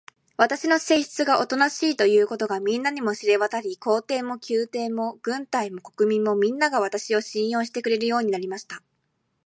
私の性質がおとなしいということが、みんなに知れわたり、皇帝も宮廷も軍隊も国民も、みんなが、私を信用してくれるようになりました。